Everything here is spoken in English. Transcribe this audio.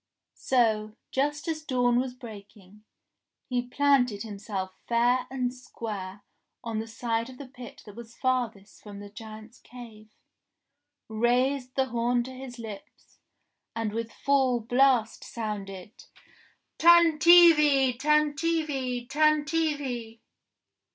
So, just as dawn was breaking, he planted himself fair and JACK THE GIANT KILLER 79 square on the side of the pit that was farthest from the giant's cave, raised the horn to his Hps, and with full blast sounded : "Tantivy ! Tantivy ! Tantivy !